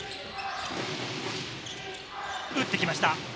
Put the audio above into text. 打ってきました。